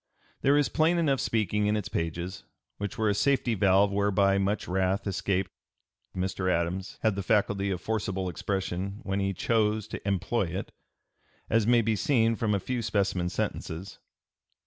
There is plain enough speaking in its pages, which were a safety valve whereby much wrath escaped. Mr. Adams had the faculty of forcible expression when he chose to employ it, as may be seen from a few specimen sentences.